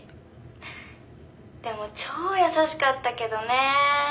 「でも超優しかったけどね。